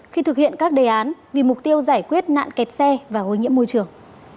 khi thực hiện các đề án vì mục tiêu giải quyết nạn kẹt xe và ô nhiễm môi trường